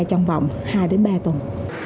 trong vòng hai ba tuần